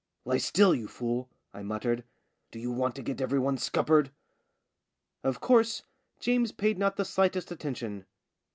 "Lie still, you fool," I muttered. "Do you want to get every one ' scuppered '?" Of course, James paid not the slightest attention.